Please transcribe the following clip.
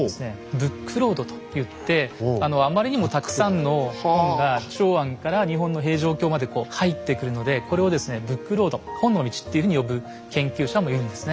「ブックロード」と言ってあまりにもたくさんの本が長安から日本の平城京まで入ってくるのでこれをブックロード本の道っていうふうに呼ぶ研究者もいるんですね。